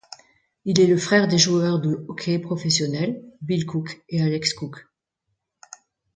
Il est le frère des joueurs de hockey professionnels Bill Cook et Alex Cook.